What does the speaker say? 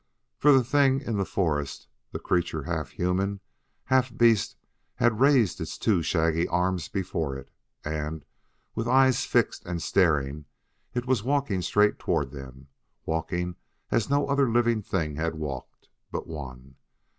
For the thing in the forest, the creature half human, half beast, had raised its two shaggy arms before it; and, with eyes fixed and staring, it was walking straight toward them, walking as no other living thing had walked, but one.